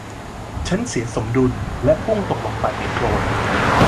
ฉันเสียสมดุลและพุ่งตกลงไปในโคลน